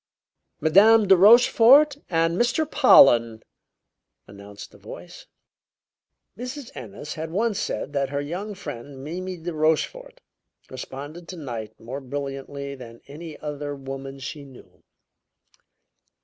"Madame De Rochefort and Mr. Pollen!" announced a voice. Mrs. Ennis had once said that her young friend, Mimi de Rochefort, responded to night more brilliantly than almost any other woman she knew.